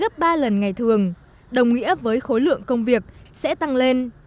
gấp ba lần ngày thường đồng nghĩa với khối lượng công việc sẽ tăng lên